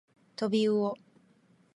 とびうお